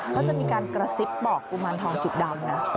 เขาจะมีการกระซิบบอกกุมารทองจุดดำนะ